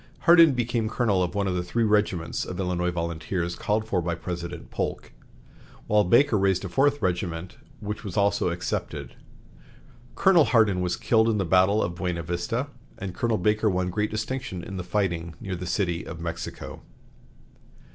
Hardin became colonel of one of the three regiments of Illinois volunteers called for by President Polk, while Baker raised a fourth regiment, which was also accepted. Colonel Hardin was killed in the battle of Buena Vista, and Colonel Baker won great distinction in the fighting near the City of Mexico.